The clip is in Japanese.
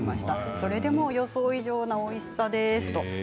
それでも予想以上のおいしさです。